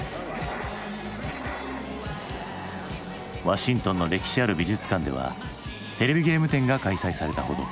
ワシントンの歴史ある美術館ではテレビゲーム展が開催されたほど。